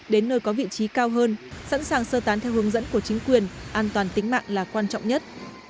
đến nơi có vị trí cao hơn sẵn sàng sơ tán theo hướng dẫn của chính quyền an toàn tính mạng là quan trọng nhất